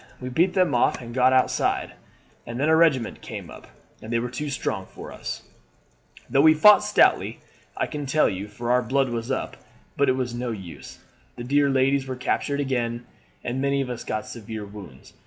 We beat them off and got outside, and then a regiment came up, and they were too strong for us, though we fought stoutly, I can tell you, for our blood was up; but it was no use. The dear ladies were captured again, and many of us got severe wounds.